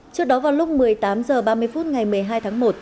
trước đó vào lúc một mươi tám h ba mươi phút ngày một mươi hai tháng một